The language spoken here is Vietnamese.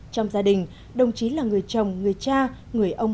trong gia đình đồng chí là người chồng người cha người ông